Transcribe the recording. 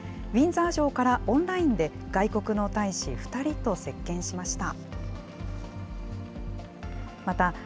ウィンザー城から、オンラインで外国の大使２人と接見しました。